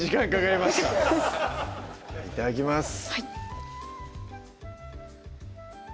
いただきます